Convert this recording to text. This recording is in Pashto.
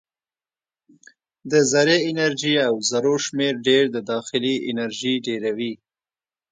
د ذرې انرژي او ذرو شمیر ډېر د داخلي انرژي ډېروي.